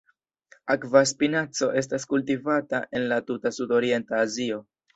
Akva spinaco estas kultivata en la tuta sudorienta Azio.